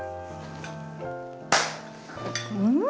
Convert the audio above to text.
うん！